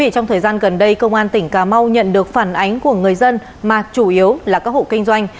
trong thời gian gần đây công an tỉnh cà mau nhận được phản ánh của người dân mà chủ yếu là các hộ kinh doanh